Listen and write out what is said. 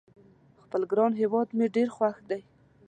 خپل ګران هیواد مې ډېر خوښ ده